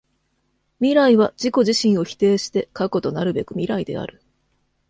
未来は自己自身を否定して過去となるべく未来である。